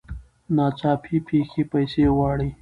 ناڅاپي پېښې پیسې غواړي.